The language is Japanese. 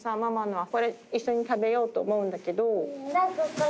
これ一緒に食べようと思うんだけど。